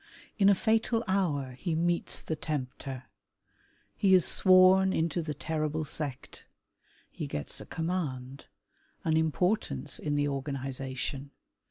In a fatal hour he meets the tempter. He is sworn into the terrihle sect. He gets a command, an importance in the organization.